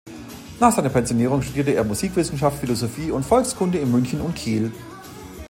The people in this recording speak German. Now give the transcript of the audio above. Nach seiner Pensionierung studierte er Musikwissenschaft, Philosophie und Volkskunde in München und Kiel.